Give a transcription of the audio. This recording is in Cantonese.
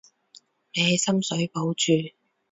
你喺深水埗住？